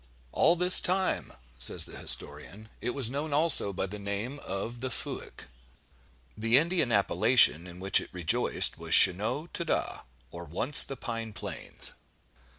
"All this time," says the historian, "it was known also by the name of 'The Fuyck.'" The Indian appellation in which it rejoiced was Schaunaugh ta da, or Once the pine plains.